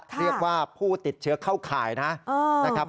เรียกว่าผู้ติดเชื้อเข้าข่ายนะครับ